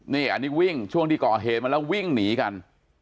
นี่อันนี้วิ่งช่วงที่ก่อเหตุมาแล้ววิ่งหนีกัน